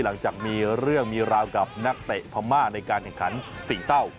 หลังจากมีเรื่องมีราวกับนักเตะพม่าในการแข่งขันสี่เศร้า